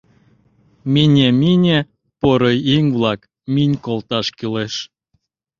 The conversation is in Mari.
Мине... мине... поро иҥ-влак, минь колташ кӱлеш.